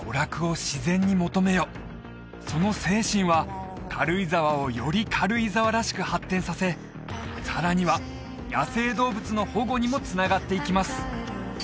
その精神は軽井沢をより軽井沢らしく発展させさらには野生動物の保護にもつながっていきます